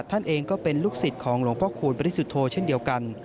ท่านเองก็เป็นลูกศิษย์ของหลวงพ่อคูณปริสุทธโธเช่นเดียวกัน